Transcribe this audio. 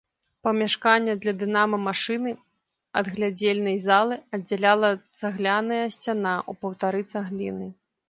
Памяшканне для дынама-машыны ад глядзельнай залы аддзяляла цагляная сцяна ў паўтары цагліны.